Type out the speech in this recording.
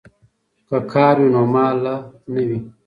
که کار وي نو ماله نه وي.